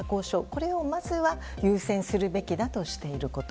これを、まずは優先するべきだとしていること。